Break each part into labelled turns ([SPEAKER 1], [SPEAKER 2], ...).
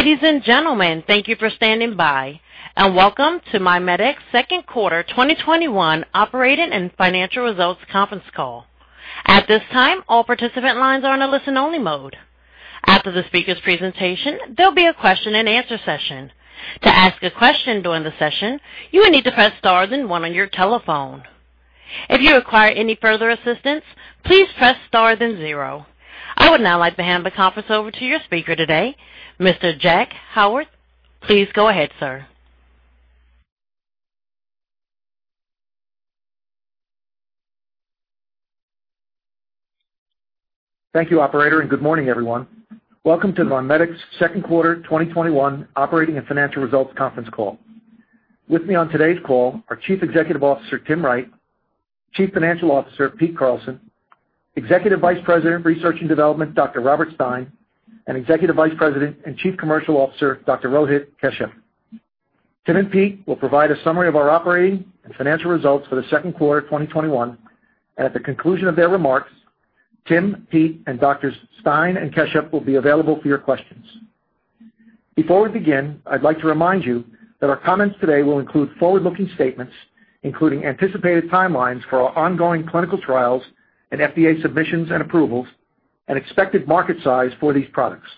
[SPEAKER 1] Ladies and gentlemen, thank you for standing by, and welcome to MiMedx second quarter 2021 operating and financial results conference call. At this time, all participant lines are in a listen-only mode. After the speaker's presentation, there'll be a question and answer session. To ask a question during the session, you will need to press star then one on your telephone. If you require any further assistance, please press star then zero. I would now like to hand the conference over to your speaker today, Mr. Jack Howarth. Please go ahead, sir.
[SPEAKER 2] Thank you, operator. Good morning, everyone. Welcome to MiMedx second quarter 2021 operating and financial results conference call. With me on today's call are Chief Executive Officer, Tim Wright, Chief Financial Officer, Pete Carlson, Executive Vice President, Research and Development, Dr. Robert Stein, and Executive Vice President and Chief Commercial Officer, Dr. Rohit Kashyap. Tim and Pete will provide a summary of our operating and financial results for the second quarter 2021. At the conclusion of their remarks, Tim, Pete, and Doctors Stein and Kashyap will be available for your questions. Before we begin, I'd like to remind you that our comments today will include forward-looking statements, including anticipated timelines for our ongoing clinical trials and FDA submissions and approvals, and expected market size for these products.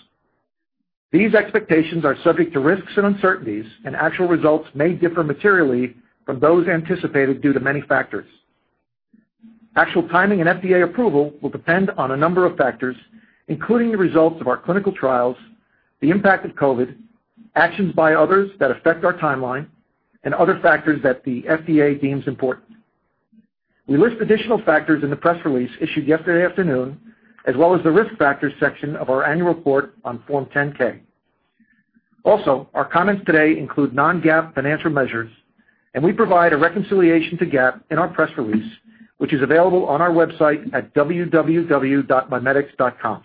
[SPEAKER 2] These expectations are subject to risks and uncertainties. Actual results may differ materially from those anticipated due to many factors. Actual timing and FDA approval will depend on a number of factors, including the results of our clinical trials, the impact of COVID, actions by others that affect our timeline, and other factors that the FDA deems important. We list additional factors in the press release issued yesterday afternoon, as well as the risk factors section of our Annual Report on Form 10-K. Also, our comments today include non-GAAP financial measures, and we provide a reconciliation to GAAP in our press release, which is available on our website at www.mimedx.com.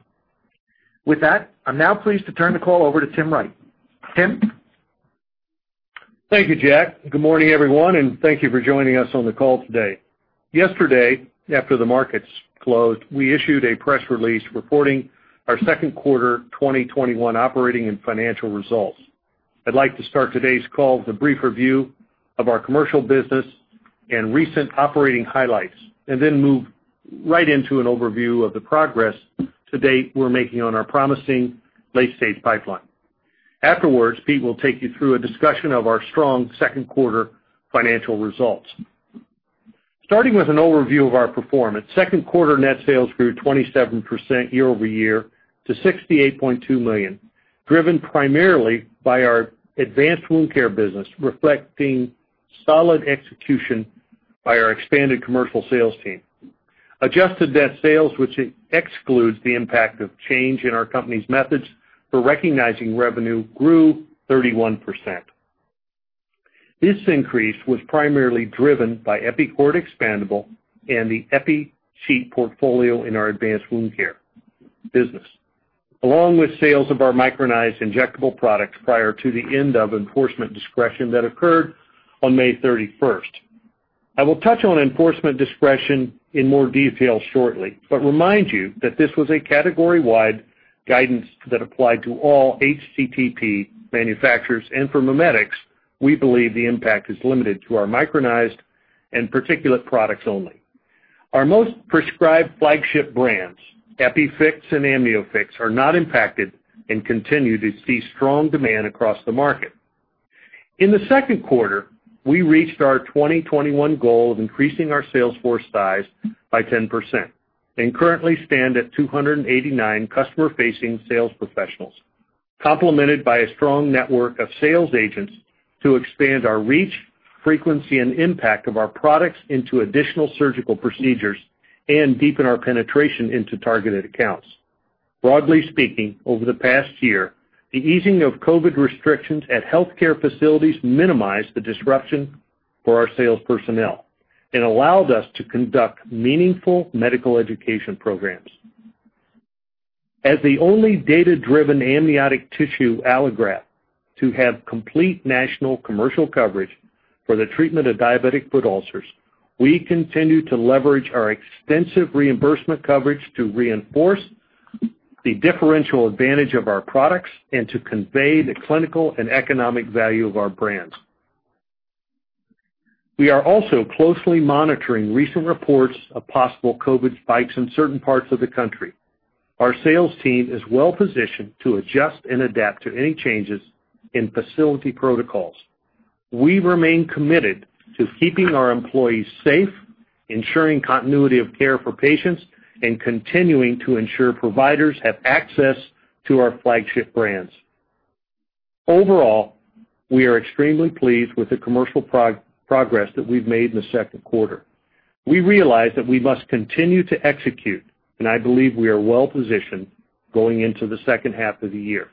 [SPEAKER 2] With that, I'm now pleased to turn the call over to Tim Wright. Tim?
[SPEAKER 3] Thank you, Jack. Good morning, everyone, thank you for joining us on the call today. Yesterday, after the markets closed, we issued a press release reporting our second quarter 2021 operating and financial results. I'd like to start today's call with a brief review of our commercial business and recent operating highlights and then move right into an overview of the progress to date we're making on our promising late-stage pipeline. Afterwards, Pete will take you through a discussion of our strong second quarter financial results. Starting with an overview of our performance. Second quarter net sales grew 27% year-over-year to $68.2 million, driven primarily by our Advanced Wound Care business, reflecting solid execution by our expanded commercial sales team. Adjusted net sales, which excludes the impact of change in our company's methods for recognizing revenue, grew 31%. This increase was primarily driven by EPICORD Expandable and the EPIFIX sheet portfolio in our Advanced Wound Care business, along with sales of our micronized injectable products prior to the end of Enforcement Discretion that occurred on May 31st. I will touch on Enforcement Discretion in more detail shortly, but remind you that this was a category-wide guidance that applied to all HCT/P manufacturers. For MiMedx, we believe the impact is limited to our micronized and particulate products only. Our most prescribed flagship brands, EPIFIX and AMNIOFIX, are not impacted and continue to see strong demand across the market. In the second quarter, we reached our 2021 goal of increasing our sales force size by 10% and currently stand at 289 customer-facing sales professionals, complemented by a strong network of sales agents to expand our reach, frequency, and impact of our products into additional surgical procedures and deepen our penetration into targeted accounts. Broadly speaking, over the past year, the easing of COVID restrictions at healthcare facilities minimized the disruption for our sales personnel and allowed us to conduct meaningful medical education programs. As the only data-driven amniotic tissue allograft to have complete national commercial coverage for the treatment of diabetic foot ulcers, we continue to leverage our extensive reimbursement coverage to reinforce the differential advantage of our products and to convey the clinical and economic value of our brands. We are also closely monitoring recent reports of possible COVID spikes in certain parts of the country. Our sales team is well-positioned to adjust and adapt to any changes in facility protocols. We remain committed to keeping our employees safe, ensuring continuity of care for patients, and continuing to ensure providers have access to our flagship brands. Overall, we are extremely pleased with the commercial progress that we've made in the second quarter. We realize that we must continue to execute, and I believe we are well-positioned going into the second half of the year.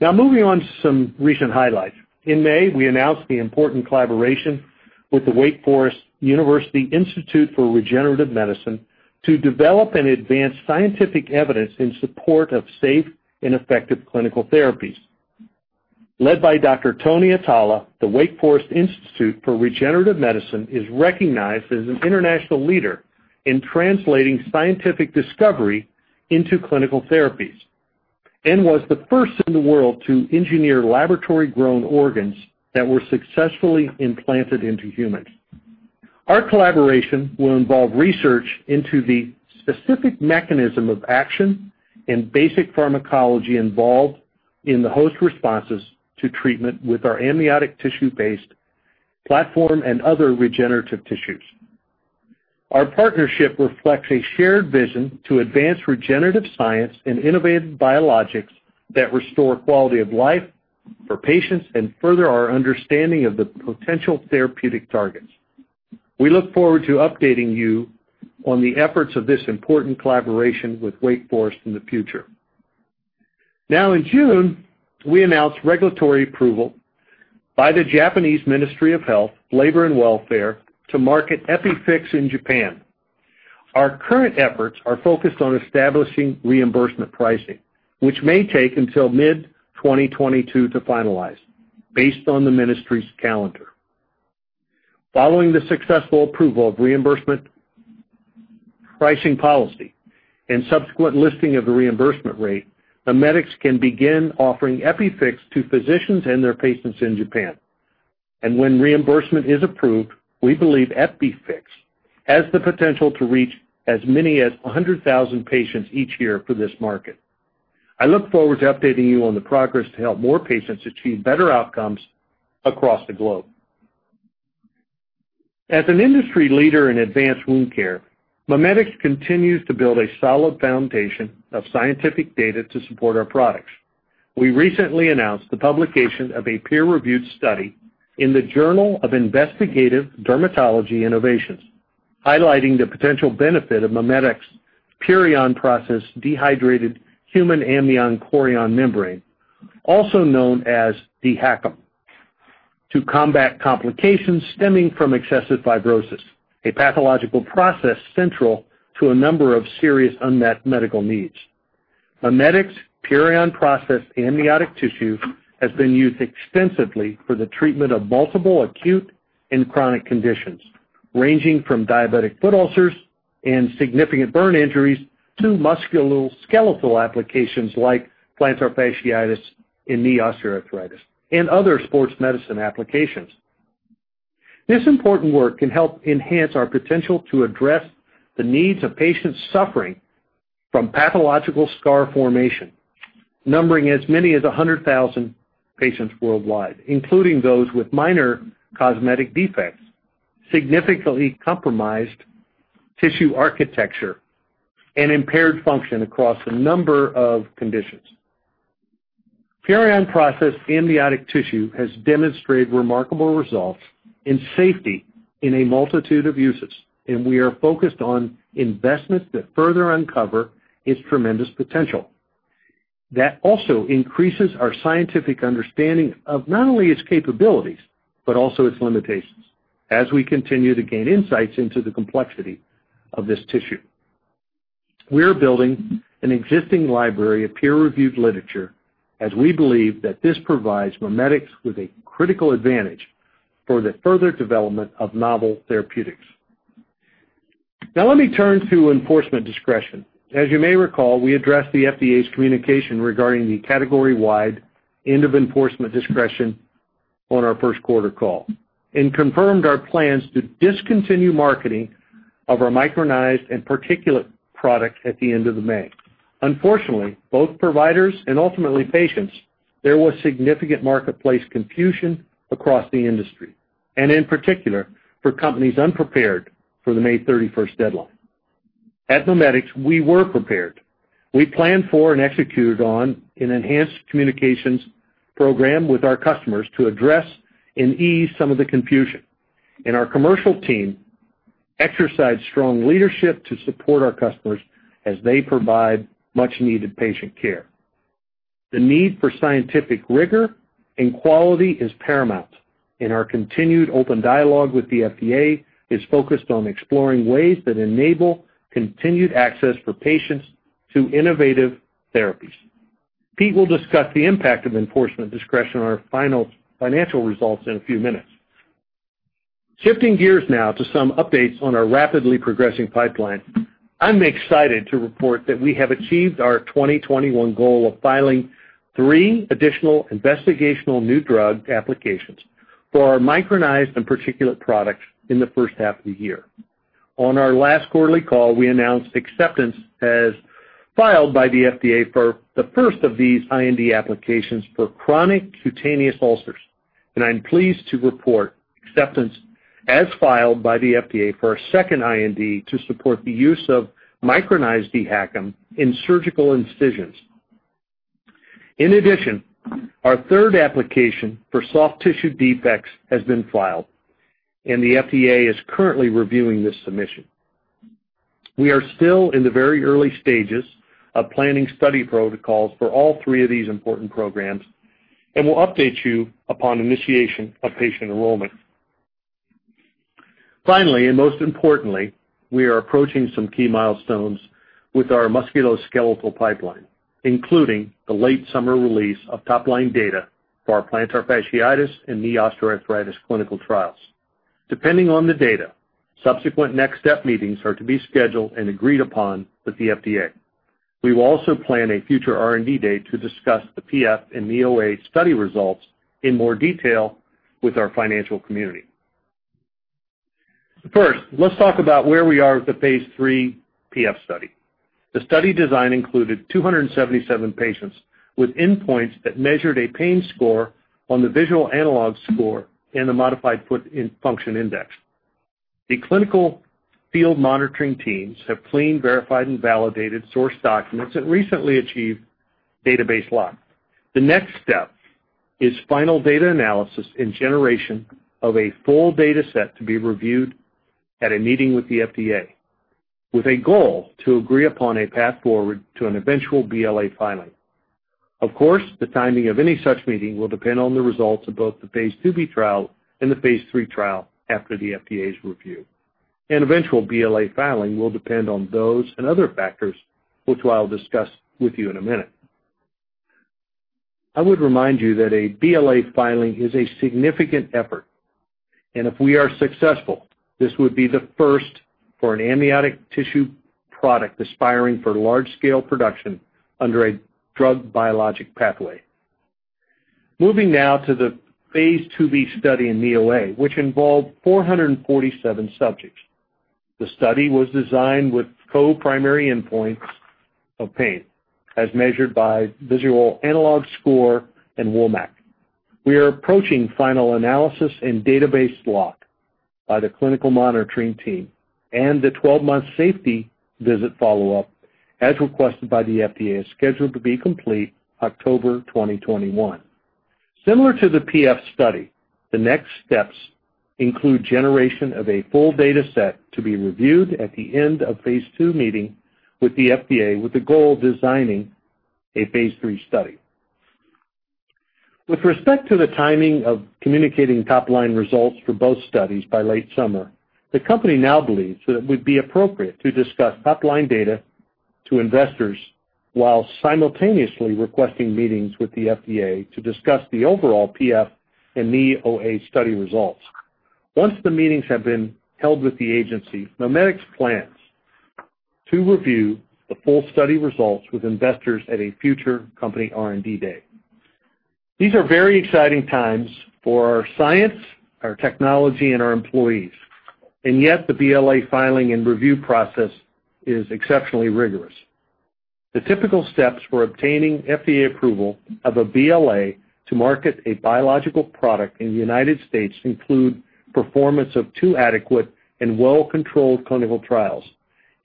[SPEAKER 3] Now, moving on to some recent highlights. In May, we announced the important collaboration with the Wake Forest Institute for Regenerative Medicine to develop and advance scientific evidence in support of safe and effective clinical therapies. Led by Dr. Anthony Atala, the Wake Forest Institute for Regenerative Medicine is recognized as an international leader in translating scientific discovery into clinical therapies, and was the first in the world to engineer laboratory-grown organs that were successfully implanted into humans. Our collaboration will involve research into the specific mechanism of action and basic pharmacology involved in the host responses to treatment with our amniotic tissue-based platform and other regenerative tissues. Our partnership reflects a shared vision to advance regenerative science and innovative biologics that restore quality of life for patients and further our understanding of the potential therapeutic targets. We look forward to updating you on the efforts of this important collaboration with Wake Forest in the future. In June, we announced regulatory approval by the Japanese Ministry of Health, Labour and Welfare to market EPIFIX in Japan. Our current efforts are focused on establishing reimbursement pricing, which may take until mid-2022 to finalize based on the ministry's calendar. Following the successful approval of reimbursement pricing policy and subsequent listing of the reimbursement rate, MiMedx can begin offering EPIFIX to physicians and their patients in Japan. When reimbursement is approved, we believe EPIFIX has the potential to reach as many as 100,000 patients each year for this market. I look forward to updating you on the progress to help more patients achieve better outcomes across the globe. As an industry leader in Advanced Wound Care, MiMedx continues to build a solid foundation of scientific data to support our products. We recently announced the publication of a peer-reviewed study in the "Journal of Investigative Dermatology Innovations," highlighting the potential benefit of MiMedx' PURION process dehydrated human amnion/chorion membrane, also known as dHACM, to combat complications stemming from excessive fibrosis, a pathological process central to a number of serious unmet medical needs. MiMedx's PURION process amniotic tissue has been used extensively for the treatment of multiple acute and chronic conditions, ranging from diabetic foot ulcers and significant burn injuries to musculoskeletal applications like plantar fasciitis and knee osteoarthritis and other sports medicine applications. This important work can help enhance our potential to address the needs of patients suffering from pathological scar formation, numbering as many as 100,000 patients worldwide, including those with minor cosmetic defects, significantly compromised tissue architecture, and impaired function across a number of conditions. PURION process amniotic tissue has demonstrated remarkable results in safety in a multitude of uses, and we are focused on investments that further uncover its tremendous potential. That also increases our scientific understanding of not only its capabilities, but also its limitations as we continue to gain insights into the complexity of this tissue. We are building an existing library of peer-reviewed literature as we believe that this provides MiMedx with a critical advantage for the further development of novel therapeutics. Let me turn to Enforcement Discretion. As you may recall, we addressed the FDA's communication regarding the category-wide end of Enforcement Discretion on our first quarter call and confirmed our plans to discontinue marketing of our micronized and particulate product at the end of May. Unfortunately, both providers and ultimately patients, there was significant marketplace confusion across the industry, and in particular, for companies unprepared for the May 31st deadline. At MiMedx, we were prepared. We planned for and executed on an enhanced communications program with our customers to address and ease some of the confusion. Our commercial team exercised strong leadership to support our customers as they provide much needed patient care. The need for scientific rigor and quality is paramount, and our continued open dialogue with the FDA is focused on exploring ways that enable continued access for patients to innovative therapies. Pete will discuss the impact of Enforcement Discretion on our financial results in a few minutes. Shifting gears now to some updates on our rapidly progressing pipeline. I'm excited to report that we have achieved our 2021 goal of filing three additional investigational new drug applications for our micronized and particulate products in the first half of the year. On our last quarterly call, we announced acceptance as filed by the FDA for the first of these IND applications for chronic cutaneous ulcers, and I'm pleased to report acceptance as filed by the FDA for our second IND to support the use of micronized dHACM in surgical incisions. In addition, our third application for soft tissue defects has been filed, and the FDA is currently reviewing this submission. We are still in the very early stages of planning study protocols for all three of these important programs and will update you upon initiation of patient enrollment. Finally, most importantly, we are approaching some key milestones with our musculoskeletal pipeline, including the late summer release of top-line data for our plantar fasciitis and knee osteoarthritis clinical trials. Depending on the data, subsequent next step meetings are to be scheduled and agreed upon with the FDA. We will also plan a future R&D date to discuss the PF and knee OA study results in more detail with our financial community. First, let's talk about where we are with the phase III PF study. The study design included 277 patients with endpoints that measured a pain score on the Visual Analogue Scale and the Modified Foot Function Index. The clinical field monitoring teams have cleaned, verified, and validated source documents and recently achieved database lock. The next step is final data analysis and generation of a full data set to be reviewed at a meeting with the FDA, with a goal to agree upon a path forward to an eventual BLA filing. Of course, the timing of any such meeting will depend on the results of both the phase II-B trial and the phase III trial after the FDA's review. An eventual BLA filing will depend on those and other factors, which I'll discuss with you in a minute. I would remind you that a BLA filing is a significant effort, and if we are successful, this would be the first for an amniotic tissue product aspiring for large-scale production under a drug biologic pathway. Moving now to the phase II-B study in knee OA, which involved 447 subjects. The study was designed with co-primary endpoints of pain, as measured by Visual Analog Scale and WOMAC. We are approaching final analysis and database lock by the clinical monitoring team, and the 12-month safety visit follow-up, as requested by the FDA, is scheduled to be complete October 2021. Similar to the PF study, the next steps include generation of a full data set to be reviewed at the end of phase II meeting with the FDA, with the goal of designing a phase III study. With respect to the timing of communicating top-line results for both studies by late summer, the company now believes that it would be appropriate to discuss top-line data to investors while simultaneously requesting meetings with the FDA to discuss the overall PF and knee OA study results. Once the meetings have been held with the agency, MiMedx plans to review the full study results with investors at a future company R&D day. These are very exciting times for our science, our technology, and our employees. Yet the BLA filing and review process is exceptionally rigorous. The typical steps for obtaining FDA approval of a BLA to market a biological product in the United States include performance of two adequate and well-controlled clinical trials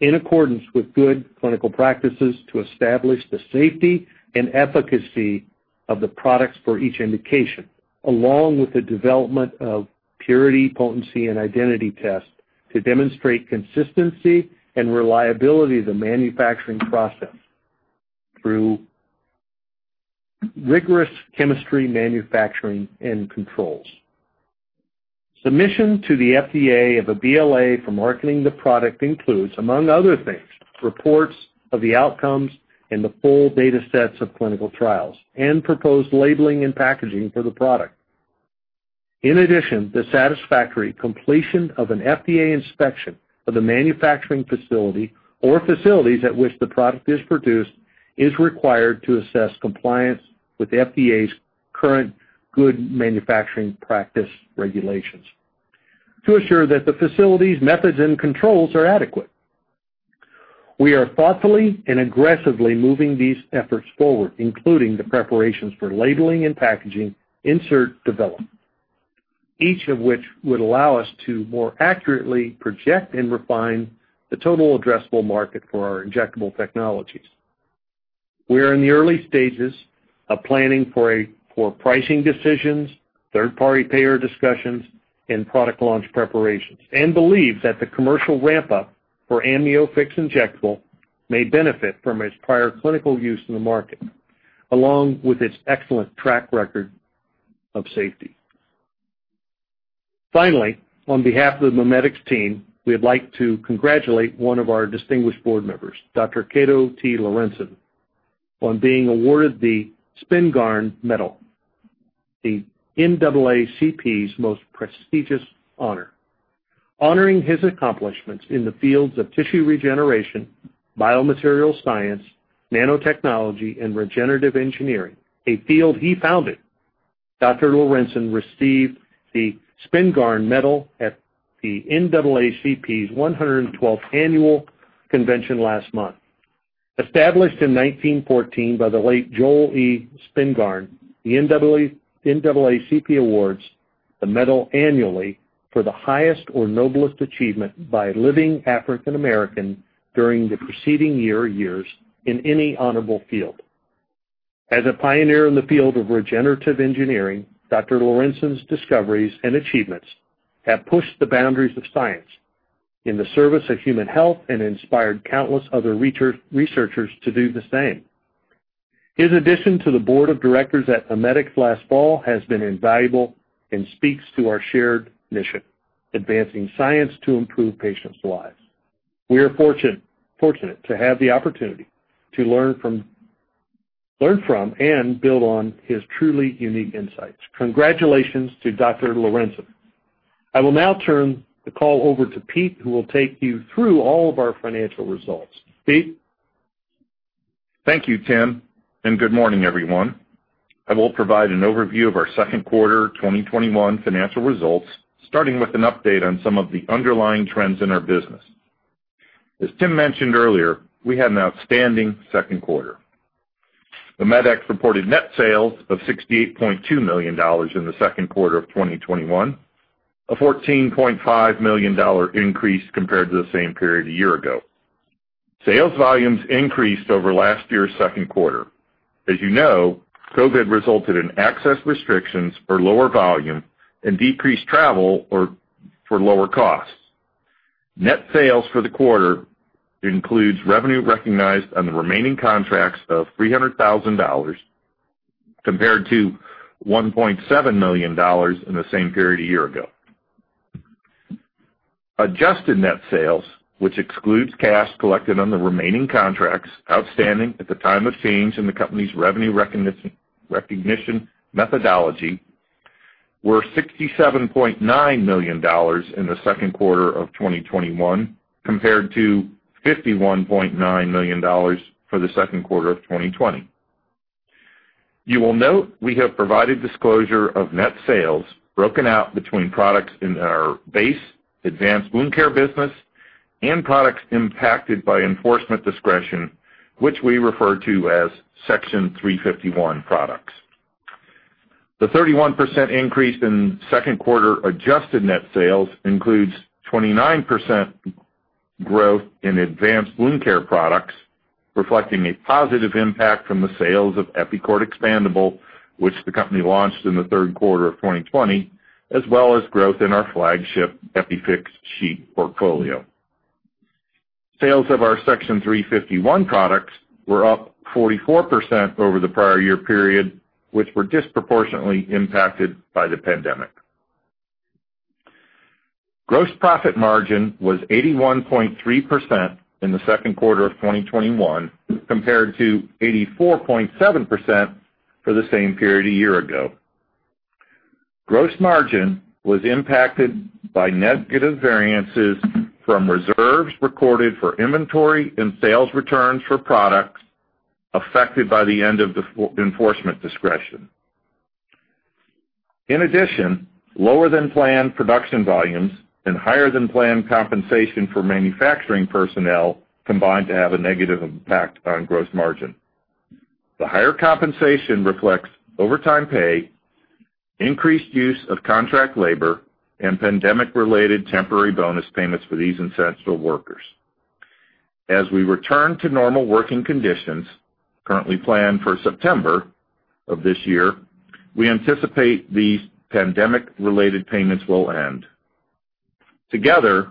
[SPEAKER 3] in accordance with good clinical practices to establish the safety and efficacy of the products for each indication, along with the development of purity, potency, and identity tests to demonstrate consistency and reliability of the manufacturing process through rigorous chemistry, manufacturing, and controls. Submission to the FDA of a BLA for marketing the product includes, among other things, reports of the outcomes and the full data sets of clinical trials and proposed labeling and packaging for the product. In addition, the satisfactory completion of an FDA inspection of the manufacturing facility or facilities at which the product is produced is required to assess compliance with the FDA's Current Good Manufacturing Practice regulations to assure that the facilities, methods, and controls are adequate. We are thoughtfully and aggressively moving these efforts forward, including the preparations for labeling and packaging insert development, each of which would allow us to more accurately project and refine the total addressable market for our injectable technologies. We are in the early stages of planning for pricing decisions, third-party payer discussions, and product launch preparations, and believe that the commercial ramp-up for AMNIOFIX Injectable may benefit from its prior clinical use in the market, along with its excellent track record of safety. On behalf of the MiMedx team, we would like to congratulate one of our distinguished Board Members, Dr. Cato T. Laurencin, on being awarded the Spingarn Medal, the NAACP's most prestigious honor, honoring his accomplishments in the fields of tissue regeneration, biomaterial science, nanotechnology, and regenerative engineering, a field he founded. Dr. Laurencin received the Spingarn Medal at the NAACP's 112th Annual Convention last month. Established in 1914 by the late Joel E. Spingarn, the NAACP awards the medal annually for the highest or noblest achievement by a living African American during the preceding year or years in any honorable field. As a pioneer in the field of regenerative engineering, Dr. Laurencin's discoveries and achievements have pushed the boundaries of science in the service of human health and inspired countless other researchers to do the same. His addition to the Board of Directors at MiMedx last fall has been invaluable and speaks to our shared mission, advancing science to improve patients' lives. We are fortunate to have the opportunity to learn from and build on his truly unique insights. Congratulations to Dr. Laurencin. I will now turn the call over to Pete, who will take you through all of our financial results. Pete?
[SPEAKER 4] Thank you, Tim, and good morning, everyone. I will provide an overview of our second quarter 2021 financial results, starting with an update on some of the underlying trends in our business. As Tim mentioned earlier, we had an outstanding second quarter. MiMedx reported net sales of $68.2 million in the second quarter of 2021, a $14.5 million increase compared to the same period a year ago. Sales volumes increased over last year's second quarter. As you know, COVID resulted in access restrictions for lower volume and decreased travel for lower costs. Net sales for the quarter includes revenue recognized on the remaining contracts of $300,000, compared to $1.7 million in the same period a year ago. Adjusted net sales, which excludes cash collected on the remaining contracts outstanding at the time of change in the company's revenue recognition methodology, were $67.9 million in the second quarter of 2021, compared to $51.9 million for the second quarter of 2020. You will note we have provided disclosure of net sales broken out between products in our base Advanced Wound Care business and products impacted by Enforcement Discretion, which we refer to as Section 351 products. The 31% increase in second quarter adjusted net sales includes 29% growth in Advanced Wound Care products, reflecting a positive impact from the sales of EPICORD Expandable, which the company launched in the third quarter of 2020, as well as growth in our flagship EPIFIX Sheet portfolio. Sales of our Section 351 products were up 44% over the prior year period, which were disproportionately impacted by the pandemic. Gross profit margin was 81.3% in the second quarter of 2021, compared to 84.7% for the same period a year ago. Gross margin was impacted by negative variances from reserves recorded for inventory and sales returns for products affected by the end of Enforcement Discretion. In addition, lower than planned production volumes and higher than planned compensation for manufacturing personnel combined to have a negative impact on gross margin. The higher compensation reflects overtime pay, increased use of contract labor, and pandemic-related temporary bonus payments for these essential workers. As we return to normal working conditions, currently planned for September of this year, we anticipate these pandemic-related payments will end. Together,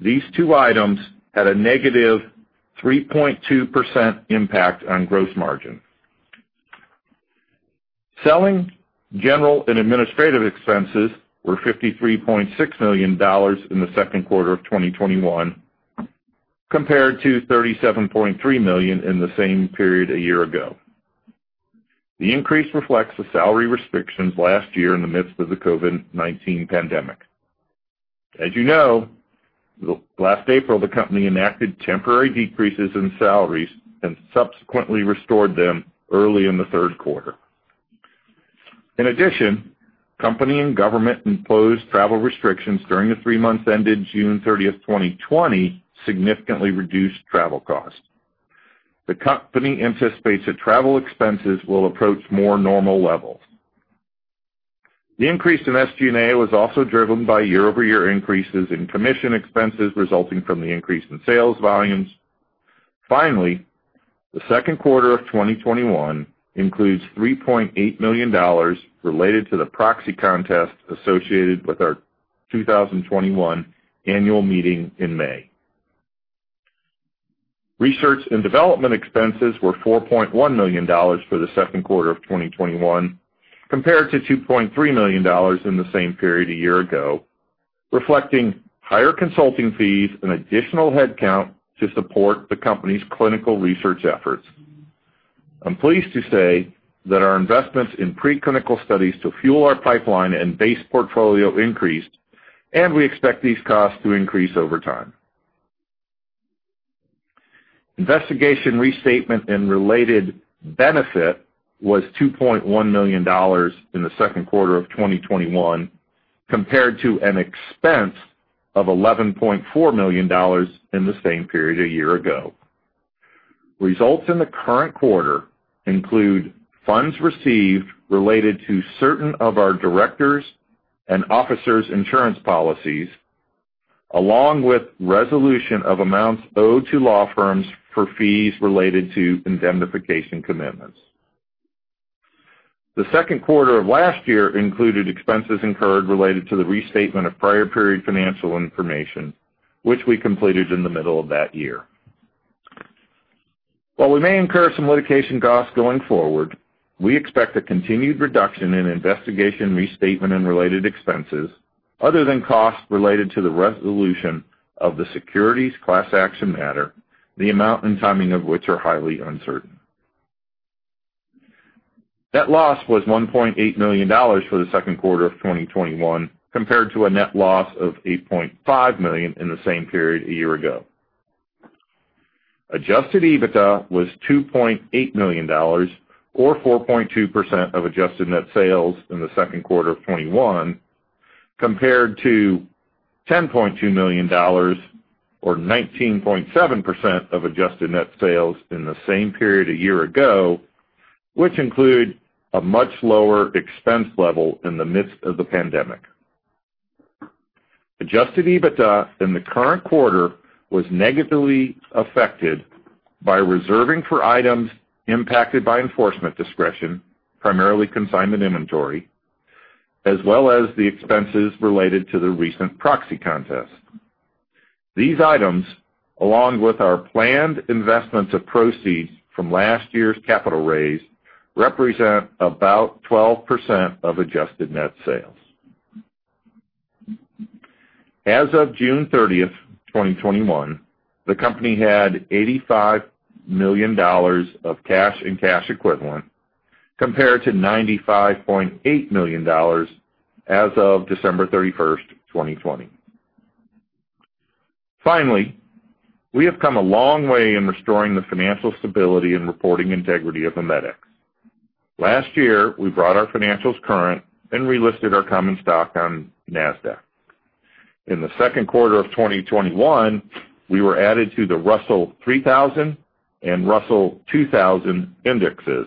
[SPEAKER 4] these two items had a negative 3.2% impact on gross margin. Selling, General, and Administrative expenses were $53.6 million in the second quarter of 2021, compared to $37.3 million in the same period a year ago. The increase reflects the salary restrictions last year in the midst of the COVID-19 pandemic. As you know, last April, the company enacted temporary decreases in salaries and subsequently restored them early in the third quarter. In addition, company and government-imposed travel restrictions during the three months ended June 30th, 2020, significantly reduced travel costs. The company anticipates that travel expenses will approach more normal levels. The increase in SG&A was also driven by year-over-year increases in commission expenses resulting from the increase in sales volumes. Finally, the second quarter of 2021 includes $3.8 million related to the proxy contest associated with our 2021 Annual Meeting in May. Research and development expenses were $4.1 million for the second quarter of 2021, compared to $2.3 million in the same period a year ago, reflecting higher consulting fees and additional headcount to support the company's clinical research efforts. I'm pleased to say that our investments in preclinical studies to fuel our pipeline and base portfolio increased, and we expect these costs to increase over time. Investigation restatement and related benefit was $2.1 million in the second quarter of 2021, compared to an expense of $11.4 million in the same period a year ago. Results in the current quarter include funds received related to certain of our directors' and officers' insurance policies, along with resolution of amounts owed to law firms for fees related to indemnification commitments. The second quarter of last year included expenses incurred related to the restatement of prior period financial information, which we completed in the middle of that year. While we may incur some litigation costs going forward, we expect a continued reduction in investigation restatement and related expenses other than costs related to the resolution of the securities class action matter, the amount and timing of which are highly uncertain. Net loss was $1.8 million for the second quarter of 2021, compared to a net loss of $8.5 million in the same period a year ago. Adjusted EBITDA was $2.8 million or 4.2% of adjusted net sales in the second quarter of 2021, compared to $10.2 million, or 19.7% of adjusted net sales in the same period a year ago, which include a much lower expense level in the midst of the pandemic. Adjusted EBITDA in the current quarter was negatively affected by reserving for items impacted by Enforcement Discretion, primarily consignment inventory, as well as the expenses related to the recent proxy contest. These items, along with our planned investments of proceeds from last year's capital raise, represent about 12% of adjusted net sales. As of June 30th, 2021, the company had $85 million of cash and cash equivalent, compared to $95.8 million as of December 31st, 2020. Finally, we have come a long way in restoring the financial stability and reporting integrity of MiMedx. Last year, we brought our financials current and relisted our common stock on Nasdaq. In the second quarter of 2021, we were added to the Russell 3000 and Russell 2000 indexes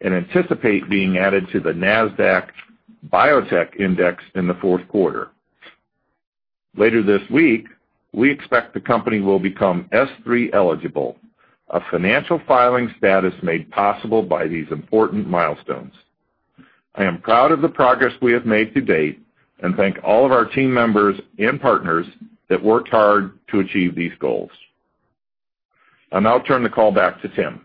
[SPEAKER 4] and anticipate being added to the Nasdaq Biotech Index in the fourth quarter. Later this week, we expect the company will become S3 eligible, a financial filing status made possible by these important milestones. I am proud of the progress we have made to date and thank all of our team members and partners that worked hard to achieve these goals. I'll now turn the call back to Tim.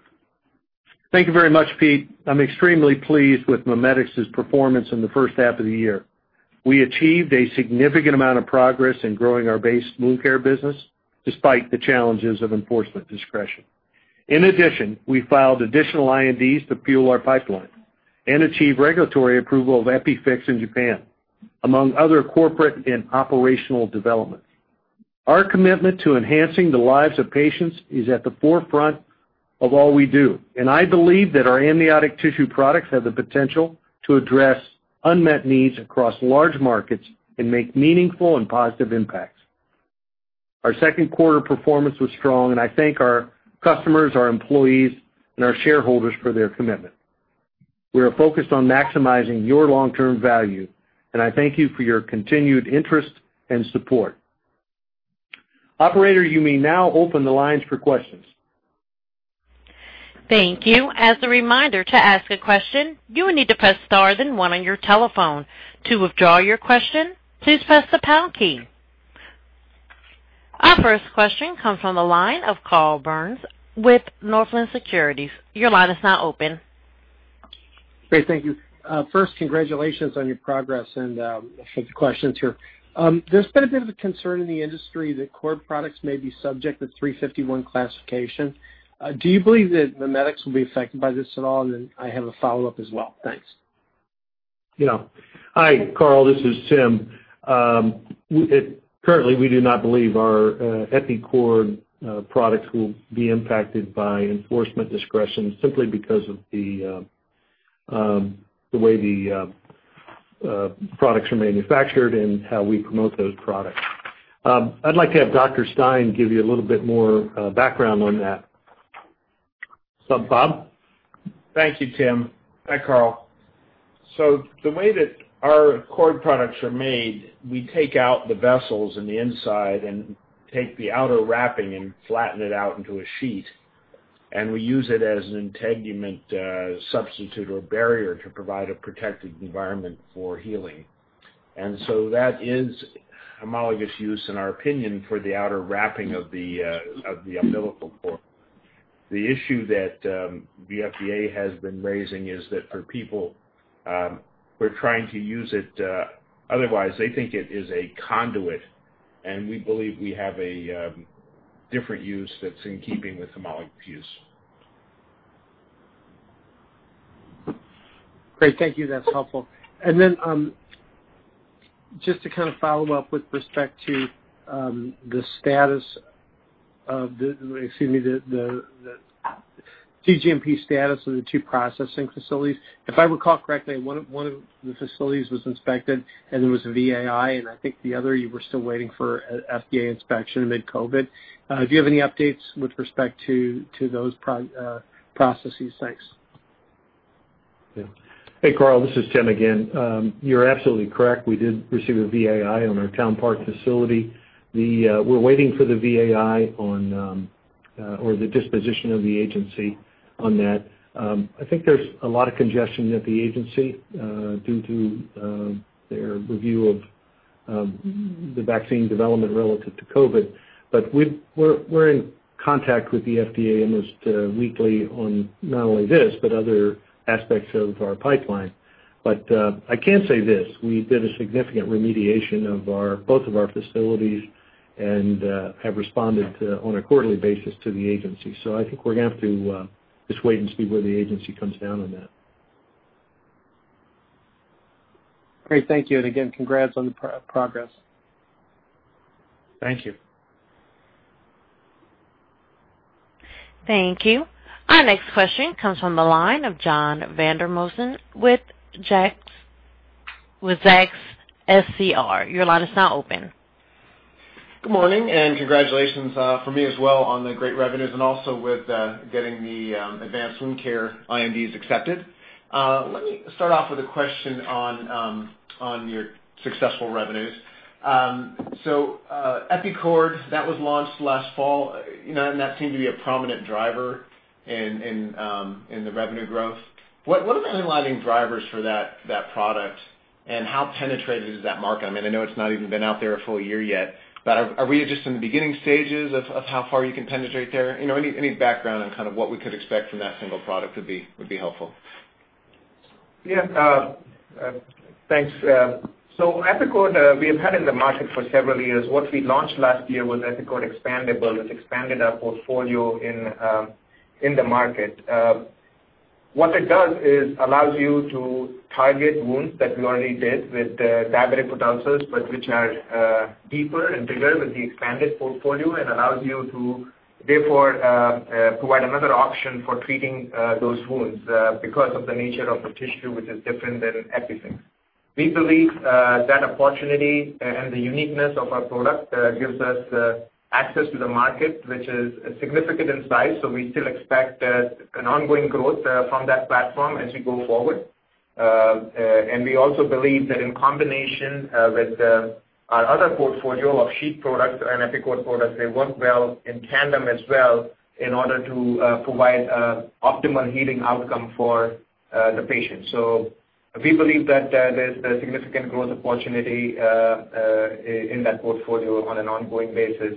[SPEAKER 3] Thank you very much, Pete. I'm extremely pleased with MiMedx's performance in the first half of the year. We achieved a significant amount of progress in growing our base wound care business despite the challenges of Enforcement Discretion. We filed additional INDs to fuel our pipeline and achieve regulatory approval of EPIFIX in Japan, among other corporate and operational developments. Our commitment to enhancing the lives of patients is at the forefront of all we do. I believe that our amniotic tissue products have the potential to address unmet needs across large markets and make meaningful and positive impacts. Our second quarter performance was strong. I thank our customers, our employees, and our shareholders for their commitment. We are focused on maximizing your long-term value. I thank you for your continued interest and support. Operator, you may now open the lines for questions.
[SPEAKER 1] Thank you. As a reminder, to ask a question, you will need to press star then one on your telephone. To withdraw your question, please press the pound key. Our first question comes from the line of Carl Byrnes with Northland Securities. Your line is now open.
[SPEAKER 5] Great. Thank you. First, congratulations on your progress and I have a few questions here. There's been a bit of a concern in the industry that cord products may be subject to 351 classification. Do you believe that MiMedx will be affected by this at all? I have a follow-up as well. Thanks.
[SPEAKER 3] Yeah. Hi, Carl. This is Tim. Currently, we do not believe our EPICORD products will be impacted by Enforcement Discretion simply because of the way the products are manufactured and how we promote those products. I'd like to have Dr. Stein give you a little bit more background on that. What's up, Bob?
[SPEAKER 6] Thank you, Tim. Hi, Carl. The way that our cord products are made, we take out the vessels in the inside and take the outer wrapping and flatten it out into a sheet, and we use it as an integument substitute or barrier to provide a protected environment for healing. That is homologous use, in our opinion, for the outer wrapping of the umbilical cord. The issue that the FDA has been raising is that for people who are trying to use it otherwise, they think it is a conduit, and we believe we have a different use that's in keeping with homologous use.
[SPEAKER 5] Great. Thank you. That's helpful. Then just to follow up with respect to the CGMP status of the two processing facilities. If I recall correctly, one of the facilities was inspected and there was a VAI, and I think the other you were still waiting for FDA inspection amid COVID. Do you have any updates with respect to those processes? Thanks.
[SPEAKER 3] Yeah. Hey, Carl. This is Tim again. You're absolutely correct. We did receive a VAI on our Town Park facility. We're waiting for the VAI or the disposition of the agency on that. I think there's a lot of congestion at the agency due to their review of the vaccine development relative to COVID. We're in contact with the FDA almost weekly on not only this, but other aspects of our pipeline. I can say this, we did a significant remediation of both of our facilities and have responded on a quarterly basis to the agency. I think we're going to have to just wait and see where the agency comes down on that.
[SPEAKER 5] Great. Thank you. Again, congrats on the progress.
[SPEAKER 3] Thank you.
[SPEAKER 1] Thank you. Our next question comes from the line of John Vandermosten with Zacks SCR. Your line is now open.
[SPEAKER 7] Good morning, congratulations from me as well on the great revenues and also with getting the Advanced Wound Care INDs accepted. Let me start off with a question on your successful revenues. EPICORD, that was launched last fall, and that seemed to be a prominent driver in the revenue growth. What are the underlying drivers for that product and how penetrated is that market? I know it's not even been out there a full year yet, but are we just in the beginning stages of how far you can penetrate there? Any background on what we could expect from that single product would be helpful.
[SPEAKER 8] Yeah. Thanks. EPICORD, we have had in the market for several years. What we launched last year was EPICORD Expandable. It's expanded our portfolio in the market. What it does is allows you to target wounds that we already did with diabetic foot ulcers, but which are deeper and bigger with the expanded portfolio and allows you to therefore provide another option for treating those wounds because of the nature of the tissue, which is different than EPIFIX. We believe that opportunity and the uniqueness of our product gives us access to the market, which is significant in size. We still expect an ongoing growth from that platform as we go forward. We also believe that in combination with our other portfolio of sheet products and EPICORD products, they work well in tandem as well in order to provide optimal healing outcome for the patient. We believe that there's a significant growth opportunity in that portfolio on an ongoing basis,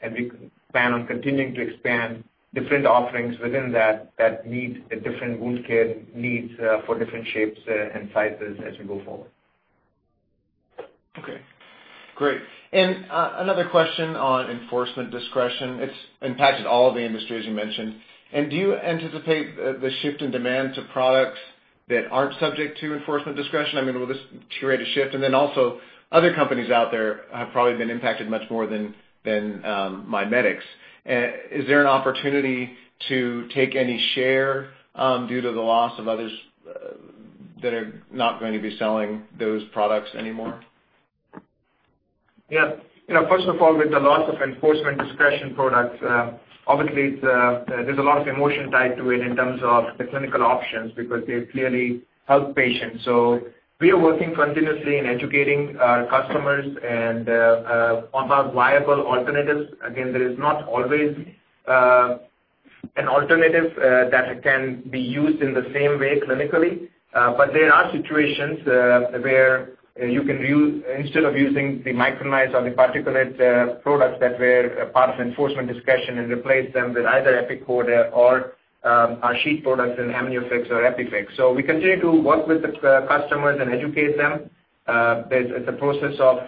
[SPEAKER 8] and we plan on continuing to expand different offerings within that meet the different wound care needs for different shapes and sizes as we go forward.
[SPEAKER 7] Okay. Great. Another question on Enforcement Discretion. It's impacted all of the industry, as you mentioned. Do you anticipate the shift in demand to products that aren't subject to Enforcement Discretion? Will this curate a shift? Also, other companies out there have probably been impacted much more than MiMedx. Is there an opportunity to take any share due to the loss of others that are not going to be selling those products anymore?
[SPEAKER 8] Yeah. First of all, with the loss of Enforcement Discretion products, obviously there's a lot of emotion tied to it in terms of the clinical options because they clearly help patients. We are working continuously in educating our customers and on our viable alternatives. Again, there is not always an alternative that can be used in the same way clinically. There are situations where you can, instead of using the micronized or the particulate products that were part of Enforcement Discretion and replace them with either EPICORD or our sheet products in AMNIOFIX or EPIFIX. We continue to work with the customers and educate them. There's a process of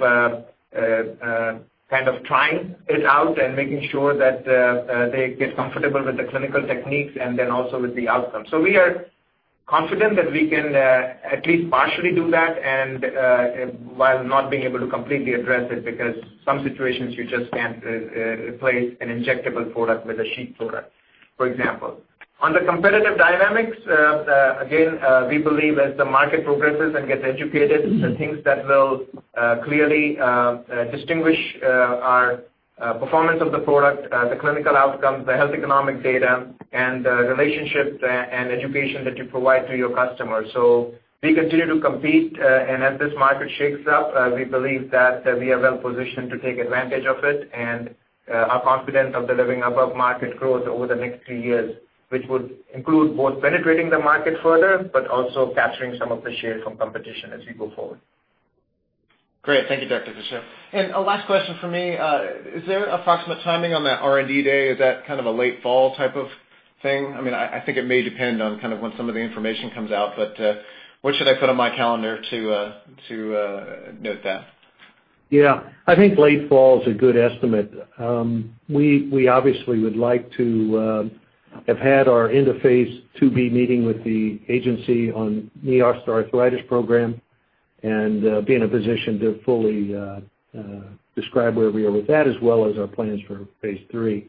[SPEAKER 8] trying it out and making sure that they get comfortable with the clinical techniques and then also with the outcome. We are confident that we can at least partially do that and while not being able to completely address it, because some situations you just can't replace an injectable product with a sheet product, for example. On the competitive dynamics, again, we believe as the market progresses and gets educated, the things that will clearly distinguish our performance of the product, the clinical outcomes, the health economic data, and the relationships and education that you provide to your customers. We continue to compete, and as this market shakes up, we believe that we are well positioned to take advantage of it and are confident of delivering above-market growth over the next three years, which would include both penetrating the market further but also capturing some of the share from competition as we go forward.
[SPEAKER 7] Great. Thank you, Dr. Kashyap. A last question from me. Is there approximate timing on that R&D Day? Is that kind of a late fall type of thing? I think it may depend on when some of the information comes out, but what should I put on my calendar to note that?
[SPEAKER 3] Yeah. I think late fall is a good estimate. We obviously would like to have had our end of phase II-B meeting with the agency on knee OA program and be in a position to fully describe where we are with that, as well as our plans for phase III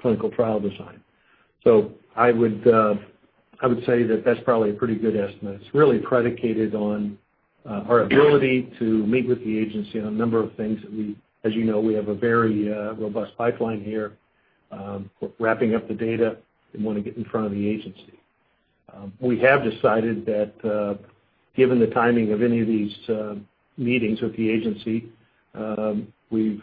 [SPEAKER 3] clinical trial design. I would say that that's probably a pretty good estimate. It's really predicated on our ability to meet with the agency on a number of things that we, as you know, we have a very robust pipeline here. We're wrapping up the data and want to get in front of the agency. We have decided that given the timing of any of these meetings with the agency, we'd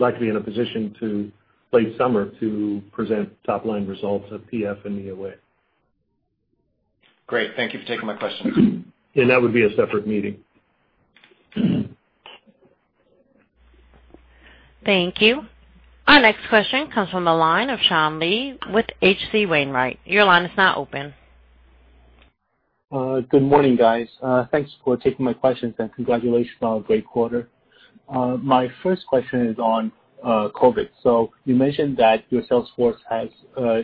[SPEAKER 3] like to be in a position to, late summer, to present top-line results of PF and knee OA.
[SPEAKER 7] Great. Thank you for taking my question.
[SPEAKER 3] That would be a separate meeting.
[SPEAKER 1] Thank you. Our next question comes from the line of Sean Lee with H.C. Wainwright. Your line is now open.
[SPEAKER 9] Good morning, guys. Thanks for taking my questions, and congratulations on a great quarter. My first question is on COVID. You mentioned that your sales force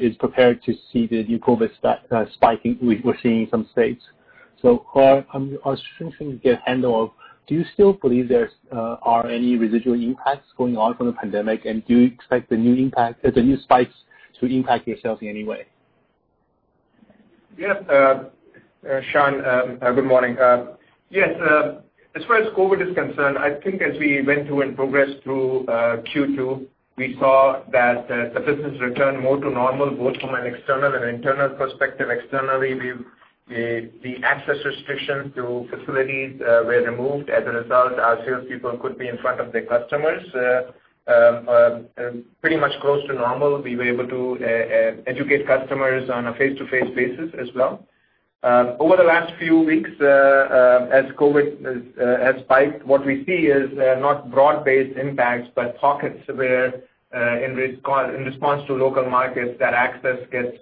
[SPEAKER 9] is prepared to see the new COVID spike we're seeing in some states. I was trying to get a handle of, do you still believe there are any residual impacts going on from the pandemic, and do you expect the new spikes to impact your sales in any way?
[SPEAKER 8] Yes. Sean, good morning. Yes, as far as COVID is concerned, I think as we went through and progressed through Q2, we saw that the business returned more to normal, both from an external and internal perspective. Externally, the access restriction to facilities were removed. As a result, our salespeople could be in front of their customers pretty much close to normal. We were able to educate customers on a face-to-face basis as well. Over the last few weeks, as COVID has spiked, what we see is not broad-based impacts, but pockets where, in response to local markets, that access gets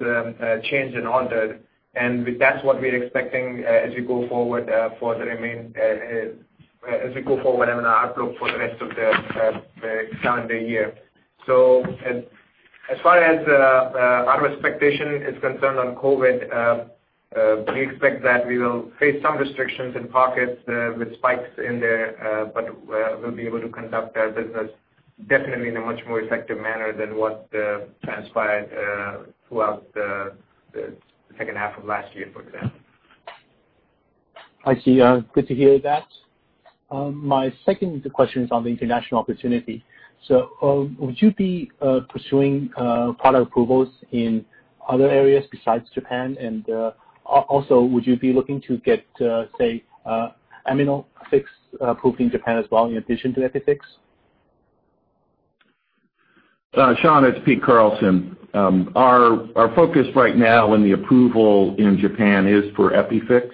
[SPEAKER 8] changed and altered. That's what we're expecting as we go forward in our outlook for the rest of the calendar year. As far as our expectation is concerned on COVID, we expect that we will face some restrictions in pockets with spikes in there, but we'll be able to conduct our business definitely in a much more effective manner than what transpired throughout the second half of last year, for example.
[SPEAKER 9] I see. Good to hear that. My second question is on the international opportunity. Would you be pursuing product approvals in other areas besides Japan? Also, would you be looking to get, say, AMNIOFIX approved in Japan as well, in addition to EPIFIX?
[SPEAKER 4] Sean, it's Pete Carlson. Our focus right now in the approval in Japan is for EPIFIX,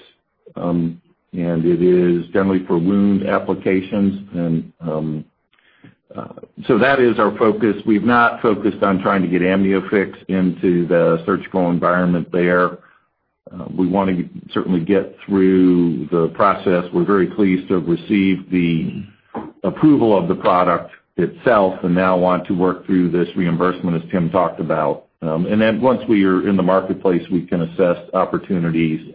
[SPEAKER 4] and it is generally for wound applications. That is our focus. We've not focused on trying to get AMNIOFIX into the surgical environment there. We want to certainly get through the process. We're very pleased to have received the approval of the product itself and now want to work through this reimbursement, as Tim talked about. Once we are in the marketplace, we can assess opportunities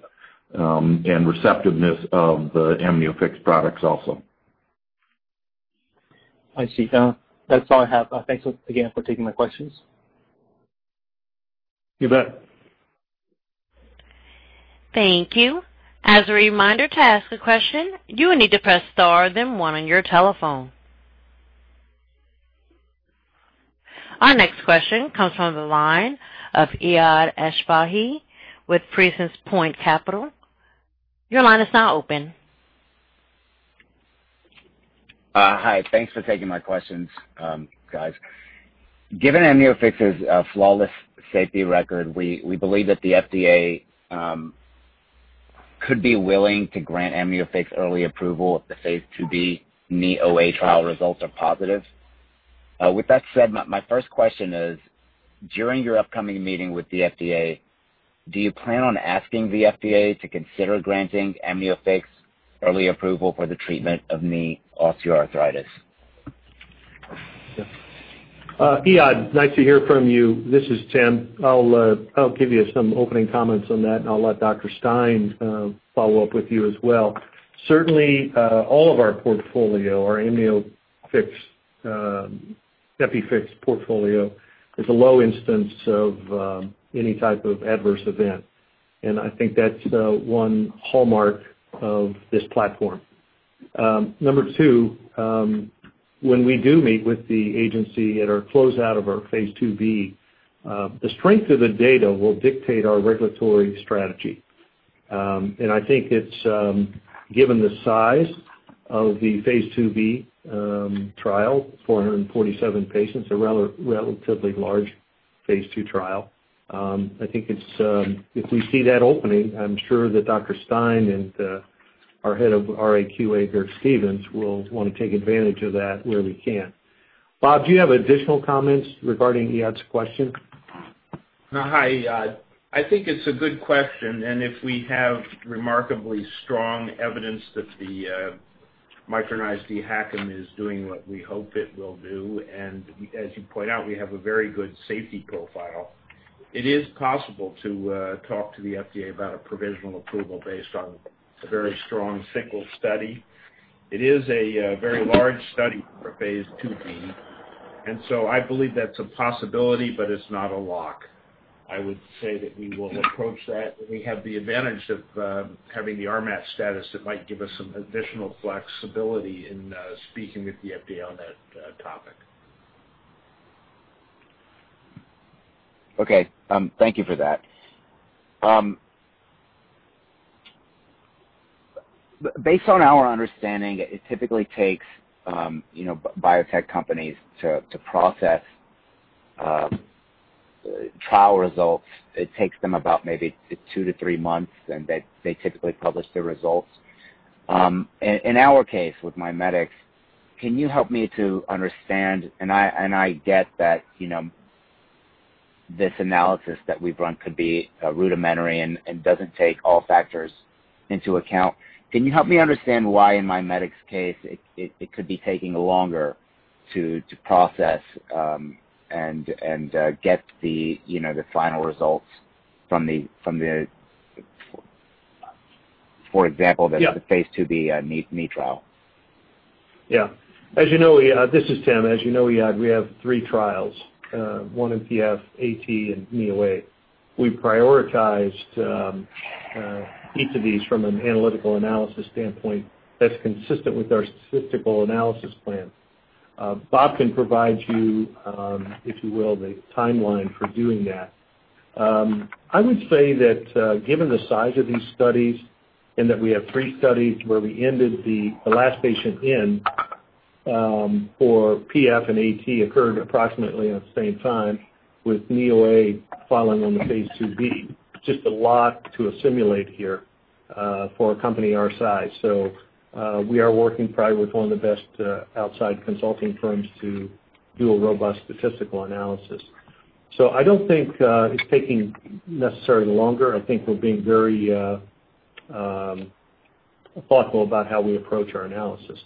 [SPEAKER 4] and receptiveness of the AMNIOFIX products also.
[SPEAKER 9] I see. That's all I have. Thanks again for taking my questions.
[SPEAKER 4] You bet.
[SPEAKER 1] Thank you. As a reminder, to ask a question, you will need to press star then one on your telephone. Our next question comes from the line of Eiad Asbahi with Prescience Point Capital. Your line is now open.
[SPEAKER 10] Hi. Thanks for taking my questions, guys. Given AMNIOFIX's flawless safety record, we believe that the FDA could be willing to grant AMNIOFIX early approval if the phase II-B knee OA trial results are positive. With that said, my first question is, during your upcoming meeting with the FDA, do you plan on asking the FDA to consider granting AMNIOFIX early approval for the treatment of knee osteoarthritis?
[SPEAKER 3] Eiad, nice to hear from you. This is Tim. I'll give you some opening comments on that, and I'll let Dr. Stein follow up with you as well. Certainly, all of our portfolio, our AMNIOFIX, EPIFIX portfolio, has a low instance of any type of adverse event. I think that's one hallmark of this platform. Number two, when we do meet with the agency at our closeout of our phase II-B, the strength of the data will dictate our regulatory strategy. I think given the size of the phase II-B trial, 447 patients, a relatively large phase II trial, I think if we see that opening, I'm sure that Dr. Stein and our head of RAQA, Dirk Stevens, will want to take advantage of that where we can. Bob, do you have additional comments regarding Eiad Asbahi's question?
[SPEAKER 6] Hi, Eiad. I think it's a good question. If we have remarkably strong evidence that the micronized dHACM is doing what we hope it will do, and as you point out, we have a very good safety profile, it is possible to talk to the FDA about a provisional approval based on a very strong single study. It is a very large study for phase II-B, and so I believe that's a possibility, but it's not a lock. I would say that we will approach that, and we have the advantage of having the RMAT status that might give us some additional flexibility in speaking with the FDA on that topic.
[SPEAKER 10] Okay. Thank you for that. Based on our understanding, it typically takes biotech companies to process trial results, it takes them about maybe two to three months, and they typically publish the results. In our case, with MiMedx, can you help me to understand, and I get that this analysis that we've run could be rudimentary and doesn't take all factors into account. Can you help me understand why in MiMedx's case, it could be taking longer to process and get the final results from the?
[SPEAKER 3] Yeah
[SPEAKER 10] the phase II-B knee OA trial?
[SPEAKER 3] This is Tim. As you know, Eiad, we have three trials, one in PF, AT, and knee OA. We prioritized each of these from an analytical analysis standpoint that's consistent with our statistical analysis plan. Bob can provide you, if you will, the timeline for doing that. I would say that given the size of these studies and that we have three studies where we ended the last patient in for PF and AT occurred approximately at the same time, with knee OA following on the phase II-B. It's just a lot to assimilate here for a company our size. We are working probably with one of the best outside consulting firms to do a robust statistical analysis. I don't think it's taking necessarily longer. I think we're being very thoughtful about how we approach our analysis.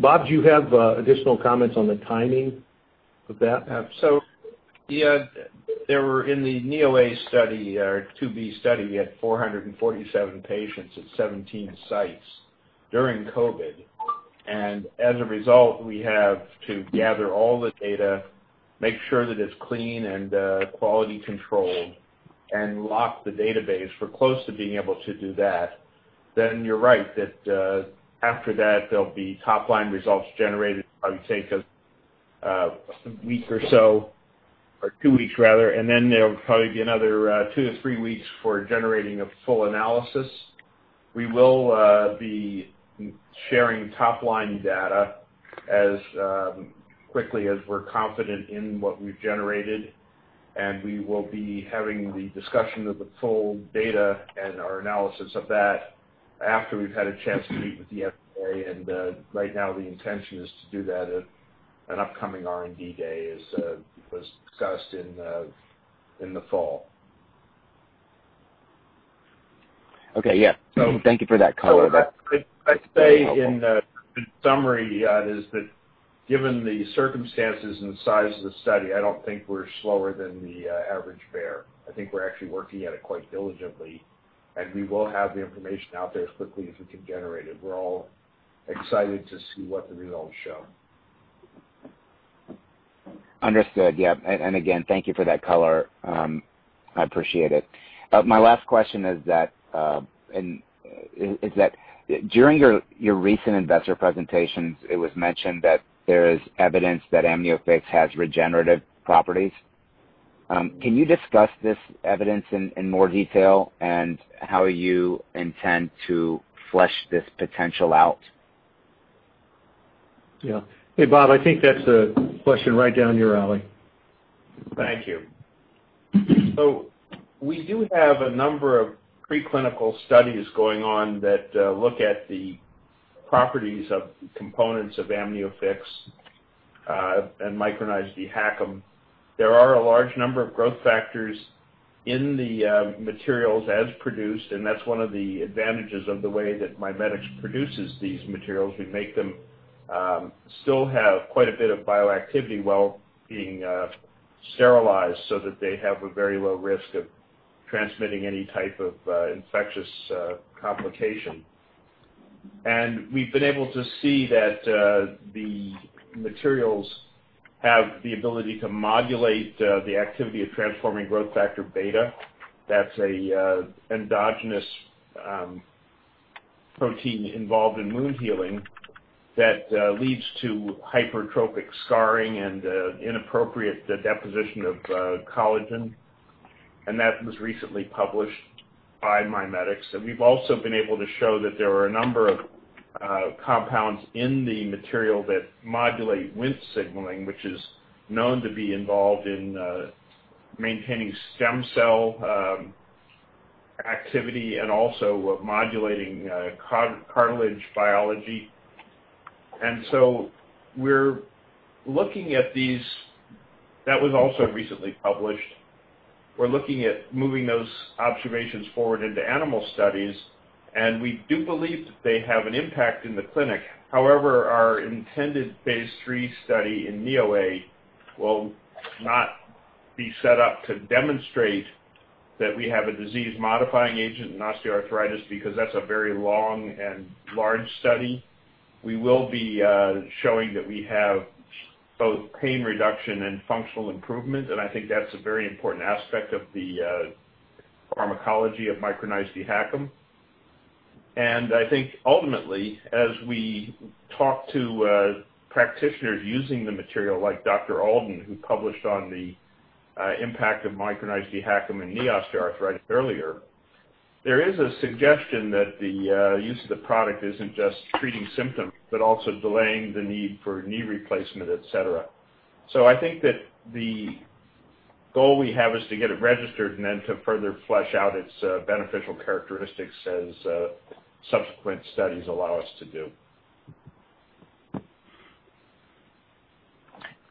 [SPEAKER 3] Bob, do you have additional comments on the timing of that?
[SPEAKER 6] Eiad, in the knee OA study, our phase II-B study, we had 447 patients at 17 sites during COVID. As a result, we have to gather all the data, make sure that it's clean and quality controlled, and lock the database. We're close to being able to do that. You're right, that after that there'll be top-line results generated, probably take one week or so, or two weeks rather, and then there'll probably be another two to three weeks for generating a full analysis. We will be sharing top-line data as quickly as we're confident in what we've generated, and we will be having the discussion of the full data and our analysis of that after we've had a chance to meet with the FDA and right now the intention is to do that at an upcoming R&D day as was discussed in the fall.
[SPEAKER 10] Okay. Yeah.
[SPEAKER 6] So.
[SPEAKER 10] Thank you for that color.
[SPEAKER 6] I'd say in summary, Ehud, is that given the circumstances and size of the study, I don't think we're slower than the average bear. I think we're actually working at it quite diligently, and we will have the information out there as quickly as we can generate it. We're all excited to see what the results show.
[SPEAKER 10] Understood. Yep. Again, thank you for that color. I appreciate it. My last question is that during your recent investor presentations, it was mentioned that there is evidence that AMNIOFIX has regenerative properties. Can you discuss this evidence in more detail and how you intend to flesh this potential out?
[SPEAKER 3] Yeah. Hey, Bob, I think that's a question right down your alley.
[SPEAKER 6] Thank you. We do have a number of preclinical studies going on that look at the properties of components of AMNIOFIX and micronized dHACM. There are a large number of growth factors in the materials as produced, and that's one of the advantages of the way that MiMedx produces these materials. We make them still have quite a bit of bioactivity while being sterilized so that they have a very low risk of transmitting any type of infectious complication. We've been able to see that the materials have the ability to modulate the activity of transforming growth factor beta. That's an endogenous protein involved in wound healing that leads to hypertrophic scarring and inappropriate deposition of collagen. That was recently published by MiMedx. We've also been able to show that there are a number of compounds in the material that modulate Wnt signaling, which is known to be involved in maintaining stem cell activity and also modulating cartilage biology. That was also recently published. We're looking at moving those observations forward into animal studies. We do believe that they have an impact in the clinic. However, our intended phase III study in knee OA will not be set up to demonstrate that we have a disease-modifying agent in osteoarthritis because that's a very long and large study. We will be showing that we have both pain reduction and functional improvement. I think that's a very important aspect of the pharmacology of micronized dHACM. I think ultimately, as we talk to practitioners using the material like Dr. Oldham, who published on the Impact of micronized dHACM in knee osteoarthritis earlier. There is a suggestion that the use of the product isn't just treating symptoms, but also delaying the need for knee replacement, et cetera. I think that the goal we have is to get it registered and then to further flesh out its beneficial characteristics as subsequent studies allow us to do.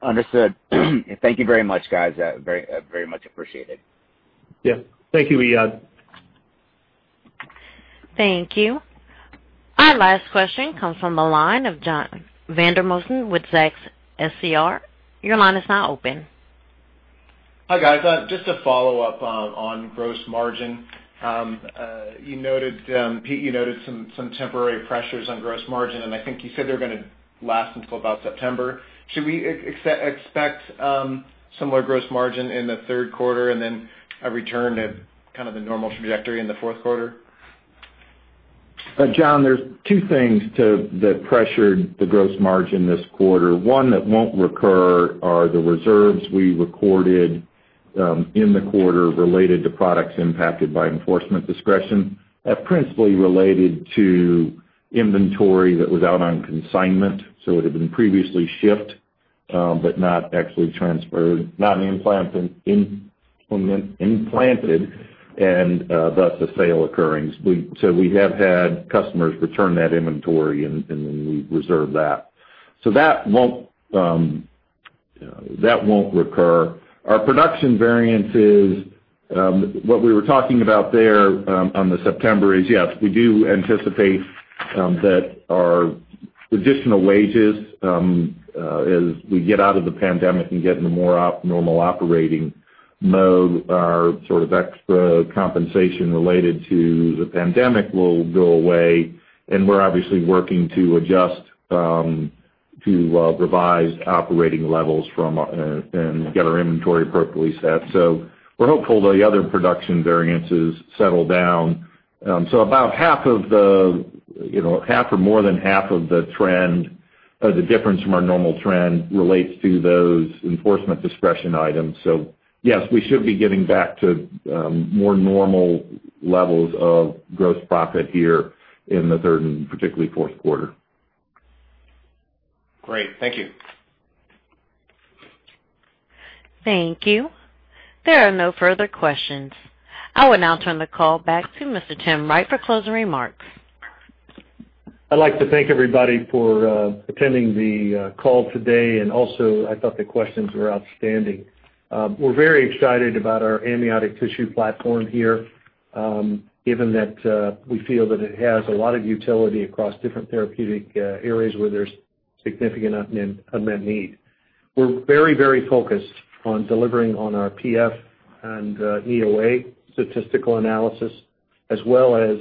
[SPEAKER 10] Understood. Thank you very much, guys. Very much appreciated.
[SPEAKER 3] Yeah. Thank you, Eiad.
[SPEAKER 1] Thank you. Our last question comes from the line of John Vandermosten with Zacks SCR. Your line is now open.
[SPEAKER 7] Hi, guys. Just a follow-up on gross margin. Pete, you noted some temporary pressures on gross margin. I think you said they're going to last until about September. Should we expect similar gross margin in the third quarter then a return to kind of the normal trajectory in the fourth quarter?
[SPEAKER 4] John, there's two things that pressured the gross margin this quarter. One that won't recur are the reserves we recorded in the quarter related to products impacted by Enforcement Discretion. That principally related to inventory that was out on consignment, so it had been previously shipped, but not actually transferred, not implanted, and thus a sale occurring. We have had customers return that inventory, and then we reserve that. That won't recur. Our production variances, what we were talking about there on the September is, yes, we do anticipate that our additional wages, as we get out of the pandemic and get in a more normal operating mode, our sort of extra compensation related to the pandemic will go away. We're obviously working to adjust to revised operating levels and get our inventory appropriately set. We're hopeful the other production variances settle down. About half or more than half of the trend, or the difference from our normal trend, relates to those Enforcement Discretion items. Yes, we should be getting back to more normal levels of gross profit here in the third and particularly fourth quarter.
[SPEAKER 7] Great. Thank you.
[SPEAKER 1] Thank you. There are no further questions. I will now turn the call back to Mr. Tim Wright for closing remarks.
[SPEAKER 3] I'd like to thank everybody for attending the call today, and also, I thought the questions were outstanding. We're very excited about our amniotic tissue platform here, given that we feel that it has a lot of utility across different therapeutic areas where there's significant unmet need. We're very focused on delivering on our PF and knee OA statistical analysis, as well as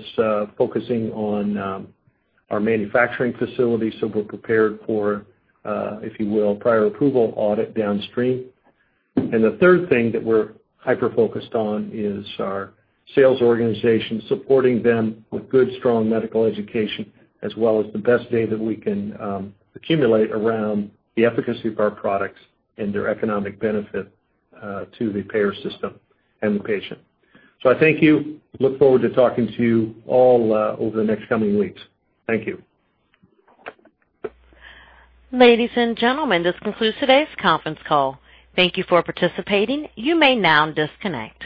[SPEAKER 3] focusing on our manufacturing facilities, so we're prepared for, if you will, prior approval audit downstream. The third thing that we're hyper-focused on is our sales organization, supporting them with good, strong medical education as well as the best data we can accumulate around the efficacy of our products and their economic benefit to the payer system and the patient. I thank you. Look forward to talking to you all over the next coming weeks. Thank you.
[SPEAKER 1] Ladies and gentlemen, this concludes today's conference call. Thank you for participating. You may now disconnect.